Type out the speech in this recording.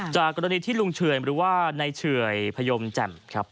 จากกรณีที่ลุงเฉื่อยหรือว่าในเฉื่อยพยมแจ่มครับ